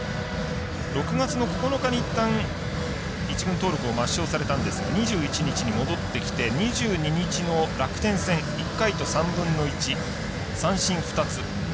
６月９日に、いったん１軍登録を抹消されたんですが２１日に戻ってきて２２日の楽天戦、１回と３分の１三振２つ。